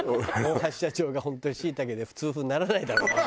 大橋社長が本当に椎茸で痛風にならないだろうね？